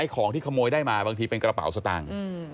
ของที่ขโมยได้มาบางทีเป็นกระเป๋าสตางค์